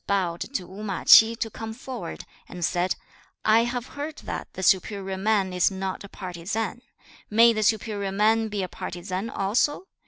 [卅二章]子曰/文/莫吾猶人 to come forward, and said, 'I have heard that the superior man is not a partisan. May the superior man be a partisan also?